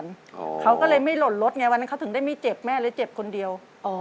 เขาก็เลยไม่หล่นรถไงวันนั้นเขาถึงได้ไม่เจ็บแม่เลยเจ็บคนเดียวอ๋อ